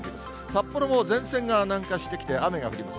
札幌も前線が南下してきまして、雨が降ります。